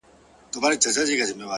وخت د ژمنتیا اندازه ښکاره کوي.